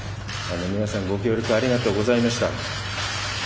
皆さん、ご協力ありがとうございました。